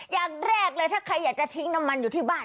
อย่างแรกเลยถ้าใครอยากจะทิ้งน้ำมันอยู่ที่บ้าน